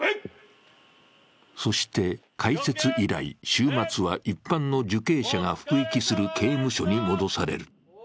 そして開設以来、週末は一般の受刑者が服役する刑務所に戻される。